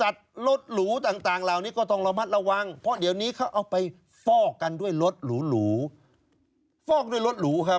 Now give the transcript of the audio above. ตรวจค้นโชว์ลูมบริษัทนิชด์คา